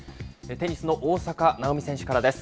テニスの大坂なおみ選手からです。